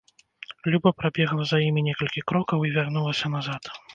Люба прабегла за імі некалькі крокаў і вярнулася назад.